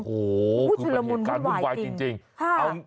โอ้โหคือเป็นเหตุการณ์บุ่นวายจริงคือเป็นเหตุการณ์บุ่นวายจริง